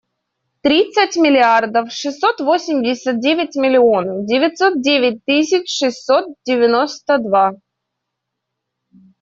Тридцать миллиардов шестьсот восемьдесят девять миллионов девятьсот девять тысяч шестьсот девяносто два.